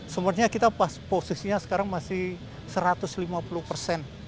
sebenarnya kita posisinya sekarang masih satu ratus lima puluh persen